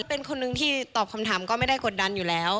เป็นคนนึงที่ตอบคำถามก็ไม่ได้กดดันอยู่แล้ว